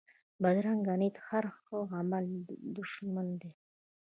بدرنګه نیت د هر ښه عمل دشمن دی